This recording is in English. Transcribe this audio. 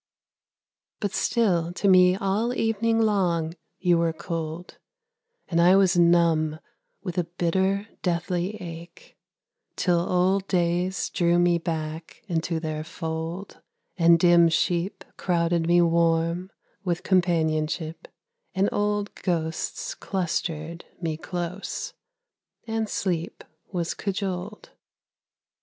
But still to me all evening long you were cold, And I was numb with a bitter, deathly ache; Till old days drew me back into their fold, And dim sheep crowded me warm with companionship, And old ghosts clustered me close, and sleep was cajoled.